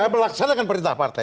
saya melaksanakan perintah partai